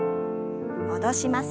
戻します。